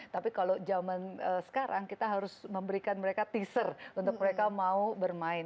tapi kalau zaman sekarang kita harus memberikan mereka teaser untuk mereka mau bermain